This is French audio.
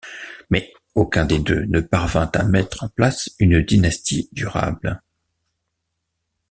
Mais aucun des deux ne parvint à mettre en place une dynastie durable.